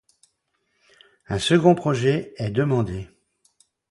Un second projet est demandé.